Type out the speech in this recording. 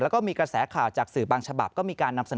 แล้วก็มีกระแสข่าวจากสื่อบางฉบับก็มีการนำเสนอ